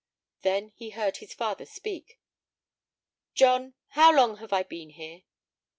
Then he heard his father speak. "John, how long have I been here?"